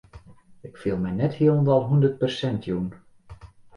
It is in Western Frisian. Ik fiel my net hielendal hûndert persint jûn.